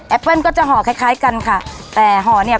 เปิ้ลก็จะห่อคล้ายคล้ายกันค่ะแต่ห่อเนี่ย